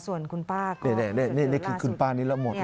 ส่วนคุณป้าก็เจอร่างสุดนี่ครับนี่คือคุณป้านี่ละหมด